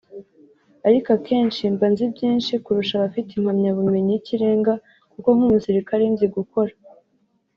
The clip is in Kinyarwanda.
Ariko akenshi mba nzi byinshi kurusha abafite impamyabumenyi y’ikirenga kuko nk’umusirikare nzi gukora